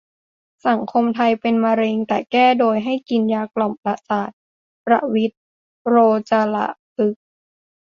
สังคมไทยเป็นมะเร็งแต่แก้โดยให้กินยากล่อมประสาท ประวิตร โรจรพฤกษ์